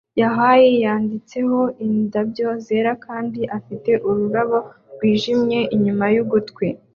ya Hawayi yanditseho indabyo zera kandi afite ururabo rwijimye inyuma y ugutwi